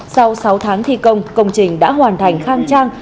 sau sáu tháng thi công công trình đã hoàn thành khang trang